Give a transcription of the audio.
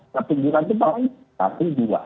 keturunan itu berapa ini